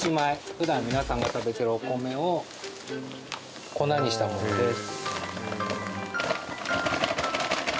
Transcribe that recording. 普段皆さんが食べてるお米を粉にしたものです。